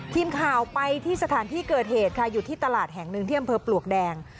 ทีมข่าวไปที่สถานที่เกิดเหตุค่ะอยู่ที่ตลาดแห่งหนึ่งที่อำเภอปลวกแดง